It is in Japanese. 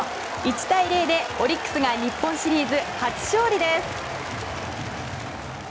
１対０でオリックスが日本シリーズ初勝利です。